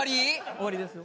終わりですよ。